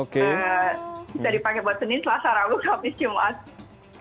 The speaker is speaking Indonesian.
bisa dipakai buat senin selasa rabu habis jumat